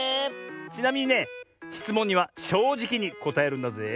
ちなみにねしつもんにはしょうじきにこたえるんだぜえ。